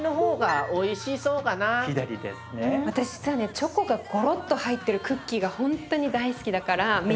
チョコがゴロッと入ってるクッキーがほんとに大好きだから右。